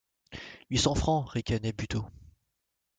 Huit cents francs! ricanait Buteau.